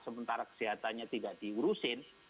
sementara kesehatannya tidak diurusin